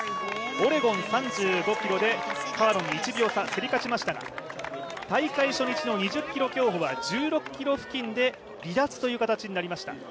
オレゴン３５ｋｍで、川野に１秒差競り勝ちましたが大会初日の２０ｋｍ競歩は１６ｋｍ付近で、離脱という形になりました。